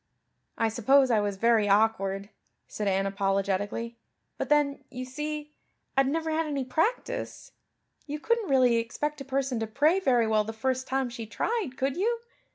"I suppose I was very awkward," said Anne apologetically, "but then, you see, I'd never had any practice. You couldn't really expect a person to pray very well the first time she tried, could you?